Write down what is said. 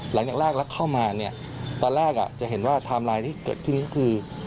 หลังจากแรกแล้วเข้ามาเนี่ยตอนแรกจะเห็นว่าไทม์ไลน์ที่เกิดขึ้นก็คือ